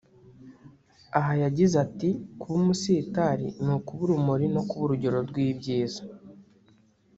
Aha yagize ati``Kuba umustar [soma`sitari’] ni ukuba urumuri no kuba urugero rw’ibyiza